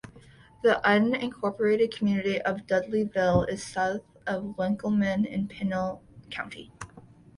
The unincorporated community of Dudleyville is south of Winkelman, in Pinal County.